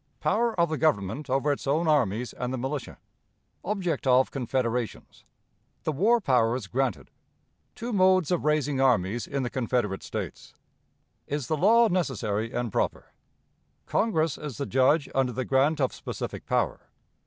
Power of the Government over its own Armies and the Militia. Object of Confederations. The War Powers granted. Two Modes of raising Armies in the Confederate States. Is the Law necessary and proper? Congress is the Judge under the Grant of Specific Power.